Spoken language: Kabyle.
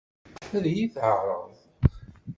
Ad iyi-t-teɛṛeḍ?